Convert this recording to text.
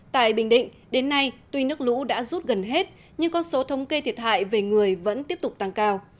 tại bình định đến nay tuy nước lũ đã rút gần hết nhưng con số thống kê thiệt hại về người vẫn tiếp tục tăng cao